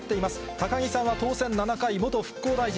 高木さんは当選７回、元復興大臣。